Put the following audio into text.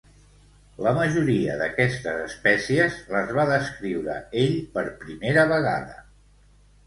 La majoria d'aquestes espècies les va descriure ell per primera vegada.